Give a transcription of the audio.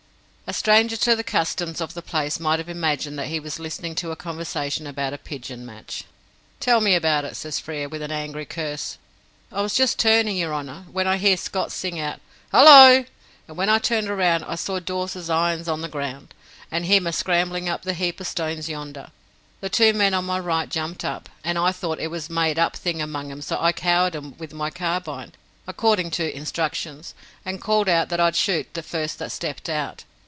A stranger to the customs of the place might have imagined that he was listening to a conversation about a pigeon match. "Tell me all about it," says Frere, with an angry curse. "I was just turning, your honour, when I hears Scott sing out 'Hullo!' and when I turned round, I saw Dawes's irons on the ground, and him a scrambling up the heap o' stones yonder. The two men on my right jumped up, and I thought it was a made up thing among 'em, so I covered 'em with my carbine, according to instructions, and called out that I'd shoot the first that stepped out.